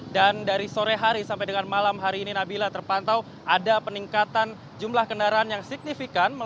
dan dari sore hari sampai dengan malam hari ini nabila terpantau ada peningkatan jumlah kendaraan yang signifikan